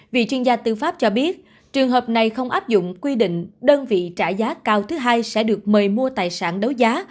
vì chuyên gia tư pháp cho biết trường hợp này không áp dụng quy định đơn vị trả giá cao thứ hai sẽ được mời mua tài sản đấu giá